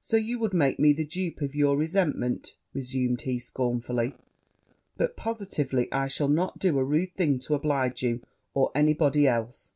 'So you would make me the dupe of your resentment!' replied he scornfully; 'but positively I shall not do a rude thing to oblige you or any body else.'